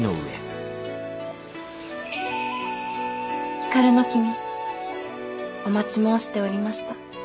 光の君お待ち申しておりました。